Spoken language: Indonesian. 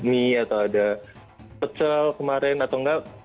mie atau ada pecel kemarin atau enggak